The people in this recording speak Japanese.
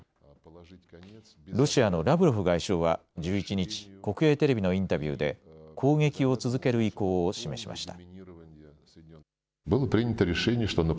ロシアのラブロフ外相は１１日、国営テレビのインタビューで攻撃を続ける意向を示しました。